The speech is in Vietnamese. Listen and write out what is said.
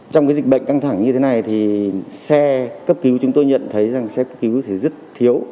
trong cái dịch bệnh căng thẳng như thế này thì xe cấp cứu chúng tôi nhận thấy rằng xe cấp cứu thì rất thiếu